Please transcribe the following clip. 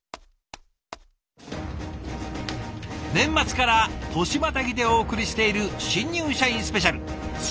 年末から年またぎでお送りしている「新入社員スペシャル」。